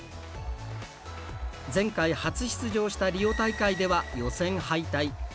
前回、初出場したリオ大会では予選敗退。